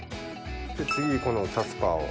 次にこのキャスパーを。